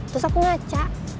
terus aku ngaca